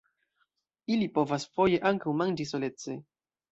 Ili povas foje ankaŭ manĝi solece.